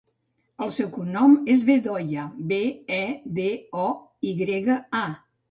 El seu cognom és Bedoya: be, e, de, o, i grega, a.